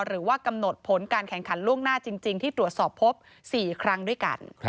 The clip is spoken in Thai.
หรือว่ากำหนดผลการแข่งขันล่วงหน้าจริงที่ตรวจสอบพบ๔ครั้งด้วยกัน